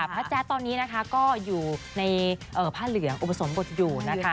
พระแจ้ตอนนี้อยู่ในผ้าเหลืองอุปสรมกฎอยู่